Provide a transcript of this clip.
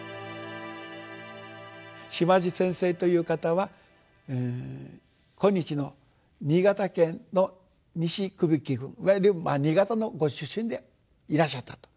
島地先生という方は今日の新潟県の西頚城郡いわゆるまあ新潟のご出身でいらっしゃったと。